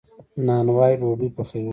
نانوا ډوډۍ پخوي.